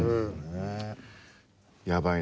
やばいな。